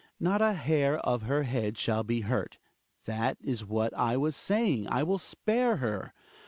Not a hair of her head shall be hurt; that is as I was saying, I will spare her.